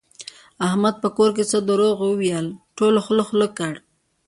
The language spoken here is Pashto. احمد په کور کې څه دروغ وویل ټولو خوله خوله کړ.